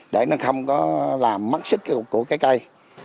để nó không có làm mất sức của cái cây